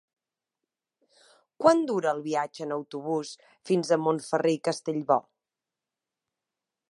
Quant dura el viatge en autobús fins a Montferrer i Castellbò?